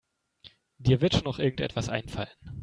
Dir wird schon noch irgendetwas einfallen.